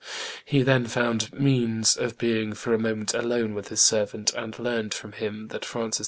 He then found means of being for a moment alone with his servant, and learned from him that Francis II.